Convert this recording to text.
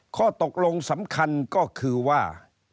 ข้อตกลงสำคัญก็คือว่า